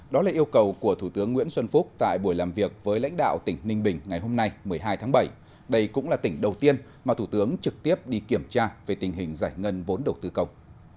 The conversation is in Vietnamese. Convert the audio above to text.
đó là yêu cầu của thủ tướng nguyễn xuân phúc tại buổi làm việc với lãnh đạo tỉnh ninh bình ngày hôm nay một mươi hai tháng bảy đây cũng là tỉnh đầu tiên mà thủ tướng trực tiếp đi kiểm tra về tình hình giải ngân vốn đầu tư công